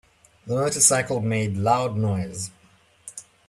The motorcycle made loud noise.